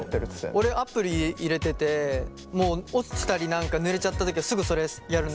俺アプリ入れててもう落ちたり何かぬれちゃった時はすぐそれやるんだけど。